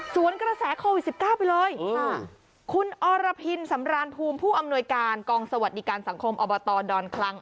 กระแสโควิดสิบเก้าไปเลยค่ะคุณอรพินสำรานภูมิผู้อำนวยการกองสวัสดิการสังคมอบตดอนคลัง